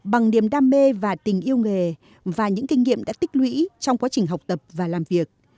bằng niềm đam mê và tình yêu nghề và những kinh nghiệm đã tích lũy trong quá trình học tập và làm việc